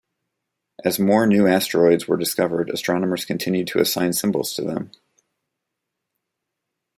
As more new asteroids were discovered, astronomers continued to assign symbols to them.